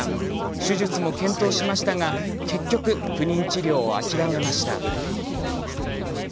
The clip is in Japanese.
手術も検討しましたが結局、不妊治療を諦めました。